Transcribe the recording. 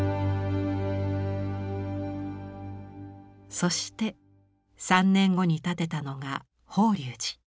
そして３年後に建てたのが法隆寺。